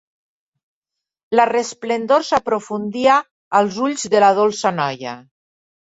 La resplendor s'aprofundia als ulls de la dolça noia.